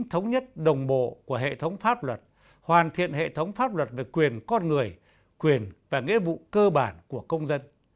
thống nhất đồng bộ của hệ thống pháp luật hoàn thiện hệ thống pháp luật về quyền con người quyền và nghĩa vụ cơ bản của công dân